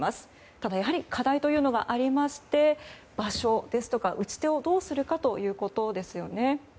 ただ、課題というのがありまして場所ですとか打ち手をどうするかですね。